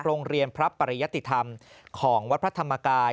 โรงเรียนพระปริยติธรรมของวัดพระธรรมกาย